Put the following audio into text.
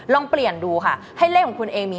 ลองเปลี่ยนดูค่ะให้เลขของคุณเองมี